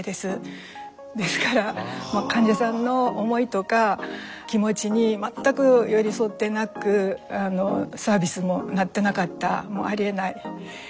ですから患者さんの思いとか気持ちに全く寄り添ってなくサービスもなってなかったもうありえないことだったと思います。